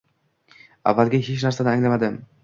Avvaliga hech narsani anglamadim